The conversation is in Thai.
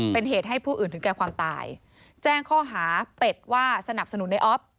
เป็นเหตุให้ผู้อื่นถึงแก่ความตายแจ้งข้อหาเป็ดว่าสนับสนุนในออฟ